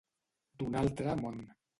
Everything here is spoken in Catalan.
D'un altre món.